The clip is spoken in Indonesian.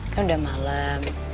kan udah malem